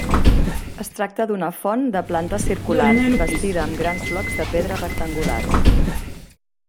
Es tracta d'una font de planta circular, bastida amb grans blocs de pedra rectangulars.